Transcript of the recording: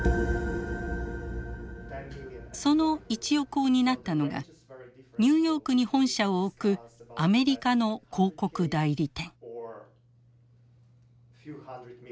その一翼を担ったのがニューヨークに本社を置くアメリカの広告代理店。